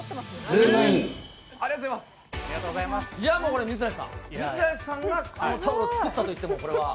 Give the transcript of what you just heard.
これ、水谷さん、水谷さんがあのタオルを作ったといっても、これは。